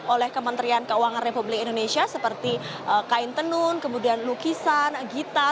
oleh kementerian keuangan republik indonesia seperti kain tenun kemudian lukisan gita